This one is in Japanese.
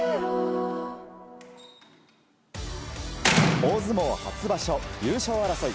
大相撲初場所優勝争い。